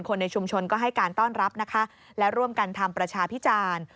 ในชุมชนก็ให้การต้อนรับนะคะและร่วมกันทำประชาพิจารณ์